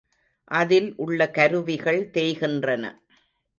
அதில் உள்ள கருவிகள் தேய்கின்றன.